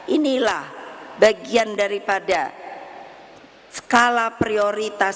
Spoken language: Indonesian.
inilah bagian daripada skala prioritas